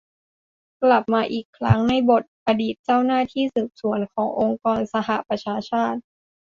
กลับมาอีกครั้งในบทอดีตเจ้าหน้าที่สืบสวนขององค์การสหประชาชาติ